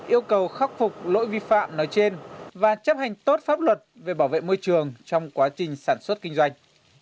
yêu cầu khắc phục lỗi vi phạm nói trên và chấp hành tốt pháp luật về bảo vệ môi trường trong quá trình sản xuất kinh doanh